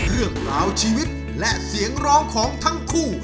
เรื่องราวชีวิตและเสียงร้องของทั้งคู่